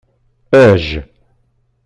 Ajj.